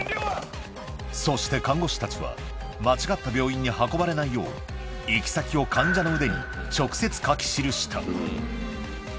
そして看護師たちは、間違った病院に運ばれないよう、行き先を患者の腕に直接書き記した。